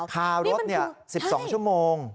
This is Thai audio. คารถ๑๒ชั่วโมง